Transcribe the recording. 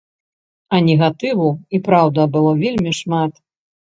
А негатыву, і праўда, было вельмі шмат.